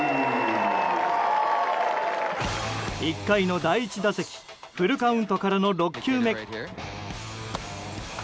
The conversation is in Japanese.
１回の第１打席フルカウントからの６球目。